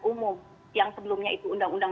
umum yang sebelumnya itu undang undang